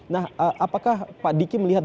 nah apakah pak diki melihat